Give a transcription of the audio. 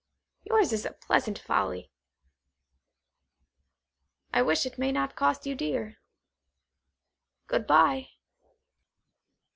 Yours is a pleasant folly. I wish it may not cost you dear. Good bye."